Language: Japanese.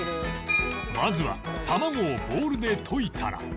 まずはたまごをボウルで溶いたら